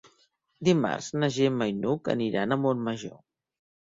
Dimarts na Gemma i n'Hug aniran a Montmajor.